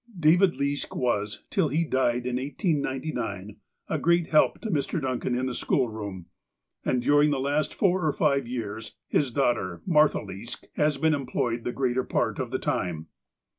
David Leask was, till he died in 1899, a great help to Mr. Duncan in the schoolroom, and during the last four or five years his daughter, Martha Leask, has been em ployed the greater part of the time.